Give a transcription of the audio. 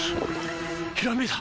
ひらめいた！